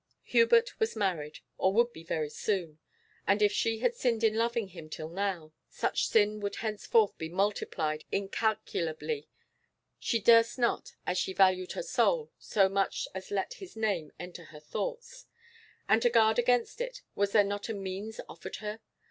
Hubert was married, or would be very soon, and if she had sinned in loving him till now, such sin would henceforth be multiplied incalculably; she durst not, as she valued her soul, so much as let his name enter her thoughts. And to guard against it, was there not a means offered her?